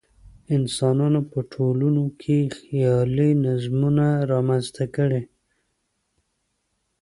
انسانانو په ټولنو کې خیالي نظمونه رامنځته کړي.